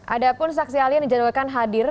ada pun saksi ahli yang dijadwalkan hadir